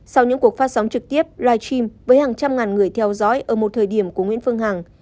sau những cuộc phát sóng trực tiếp live stream với hàng trăm ngàn người theo dõi ở một thời điểm của nguyễn phương hằng